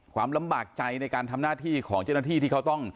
ความลำบากใจในการทำหน้าที่ของเจ้าหน้าที่ที่เขาต้อง